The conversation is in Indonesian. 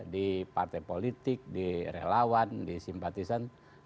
di partai politik di relawan di simpatisan